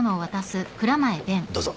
どうぞ。